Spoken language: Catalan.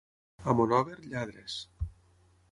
A Monòver, lladres.